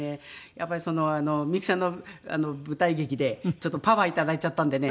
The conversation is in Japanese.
やっぱりみゆきさんの舞台劇でちょっとパワーいただいちゃったんでね